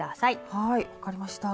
はい分かりました。